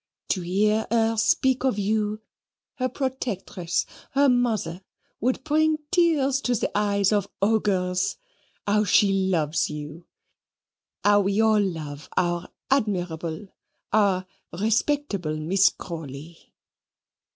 To hear her speak of you, her protectress, her mother, would bring tears to the eyes of ogres. How she loves you! how we all love our admirable, our respectable Miss Crawley!"